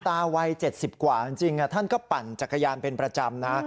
วัย๗๐กว่าจริงท่านก็ปั่นจักรยานเป็นประจำนะ